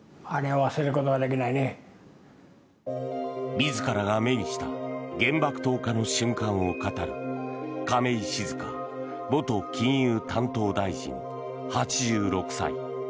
自らが目にした原爆投下の瞬間を語る亀井静香元金融担当大臣８６歳。